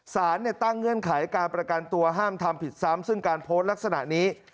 สารตั้งเงื่อนไขการประกันตัวห้ามทำผิดซ้ำซึ่งการโพสต์ลักษณะนี้